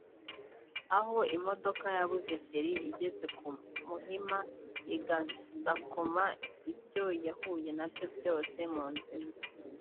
aho imodoka yabuze feri igeze ku Muhima igasakuma ibyo yahuye nabyo byose mu nzira